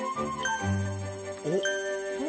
おっ。